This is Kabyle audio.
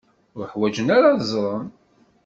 Ur ḥwajen ara ad ẓren.